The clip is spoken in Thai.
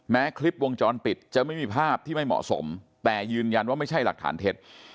แม้คลิปวงจรปิดจะไม่มีภาพที่ไม่เหมาะสมแต่ยืนยันว่าไม่ใช่หลักฐานเท็จ